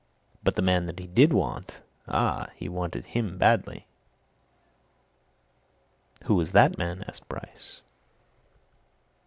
But the man that he did want! ah, he wanted him badly!" "Who was that man?" asked Bryce.